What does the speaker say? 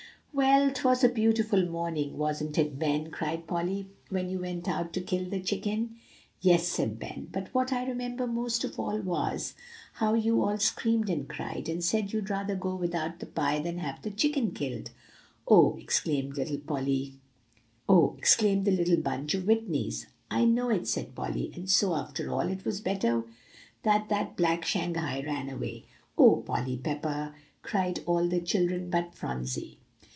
"Well, 'twas a beautiful morning, wasn't it, Ben," cried Polly, "when you went out to kill the chicken?" "Yes," said Ben; "but what I remember most of all was, how you all screamed and cried, and said you'd rather go without the pie than to have the chicken killed." "Oh!" exclaimed the little bunch of Whitneys. "I know it," said Polly. "And so, after all, it was better that that black Shanghai ran away." "O Polly Pepper!" cried all the children but Phronsie.